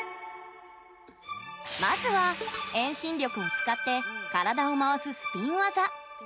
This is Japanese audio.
まずは、遠心力を使って体を回すスピン技。